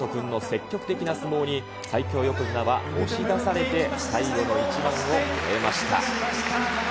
眞羽人君の積極的な相撲に、最強横綱は押し出されて最後の一番を終えました。